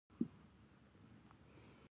خپلواکي د هر افغان هیله ده.